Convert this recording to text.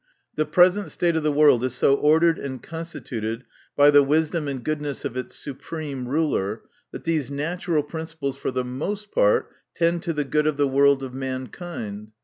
The present state of the world is so ordered and constituted by the wis dom and goodness of its supreme Ruler, that these natural principles for the most part tend to the good of the world of mankind.